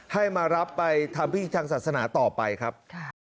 ให้มารับไปทำพิธีทางศาสนาต่อไปครับ